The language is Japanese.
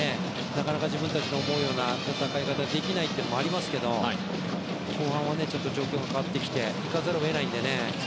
なかなか自分たちの思うような戦い方ができないというのもありますが後半は状況が変わってきて行かざるを得ないのでね。